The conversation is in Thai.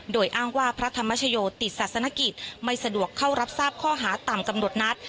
โดยอ้างว่าพระธรรมชโยติดศาสนกิจไม่สะดวกเข้ารับทราบข้อหาตามกำหนดนัด